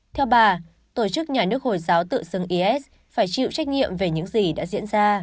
theo bà tổ chức nhà nước hồi giáo tự xưng is phải chịu trách nhiệm về những gì đã diễn ra